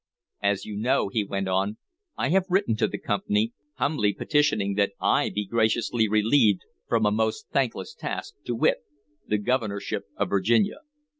"As you know," he went on, "I have written to the Company, humbly petitioning that I be graciously relieved from a most thankless task, to wit, the governorship of Virginia.